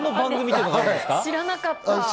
知らなかった。